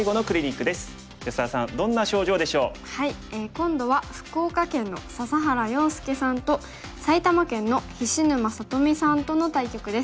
今度は福岡県の笹原陽介さんと埼玉県の菱沼さとみさんとの対局です。